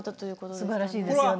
すばらしいですよね。